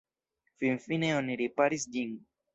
Finfine oni riparis ĝin.